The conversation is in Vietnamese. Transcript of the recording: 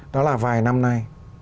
đó là vài năm nay